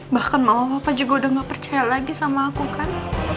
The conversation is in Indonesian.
bahkan mama papa juga udah gak percaya lagi sama aku kan